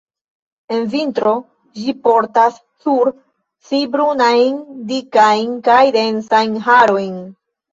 En vintro ĝi portas sur si brunajn, dikajn kaj densajn harojn.